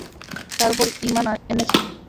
তার উপর ঈমান এনেছি।